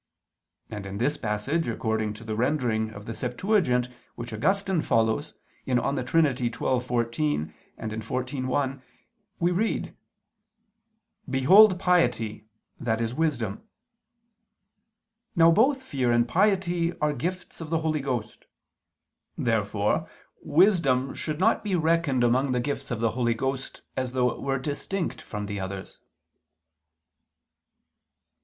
And in this passage according to the rendering of the Septuagint which Augustine follows (De Trin. xii, 14; xiv, 1) we read: "Behold piety, that is wisdom." Now both fear and piety are gifts of the Holy Ghost. Therefore wisdom should not be reckoned among the gifts of the Holy Ghost, as though it were distinct from the others.